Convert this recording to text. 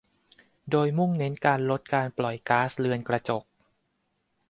โดยมุ่งเน้นการลดการปล่อยก๊าซเรือนกระจก